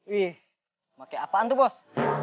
wih pakai apaan tuh bos